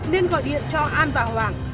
nên gọi điện cho an và hoàng